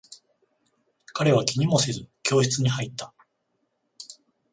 彼は気にもせず、教室に入った。